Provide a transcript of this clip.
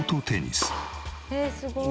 へえすごい。